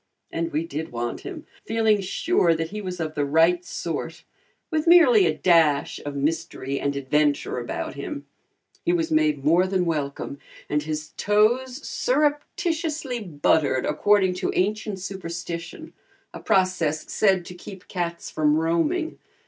And we did want him, feeling sure that he was of the right sort, with merely a dash of mystery and adventure about him. He was made more than welcome, and his toes surreptitiously buttered according to ancient superstition, a process said to keep cats from roaming.